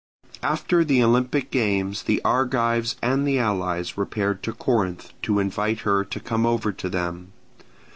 After the Olympic games, the Argives and the allies repaired to Corinth to invite her to come over to them.